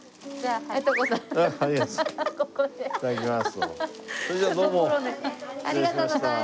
ありがとうございます。